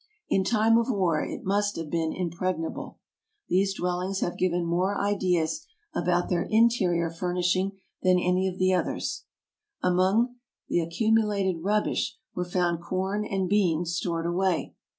In time of war it must have been impregnable. These dwellings have given more ideas about their interior furnishing than any of the others. Among the accumulated rubbish were found corn and beans stored away.